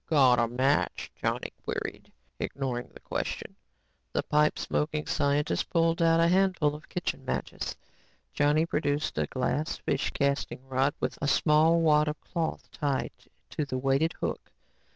"Got a match?" Johnny queried, ignoring the question. The pipe smoking scientist pulled out a handful of kitchen matches. Johnny produced a glass fish casting rod with a small wad of cloth tied to the weighted hook.